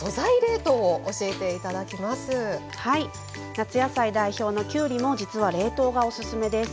夏野菜代表のきゅうりも実は冷凍がおすすめです。